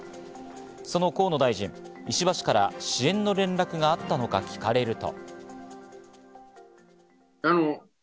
その河野大臣、石破氏から支援の連絡があったのか聞かれると。